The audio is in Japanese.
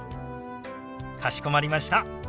かしこまりました。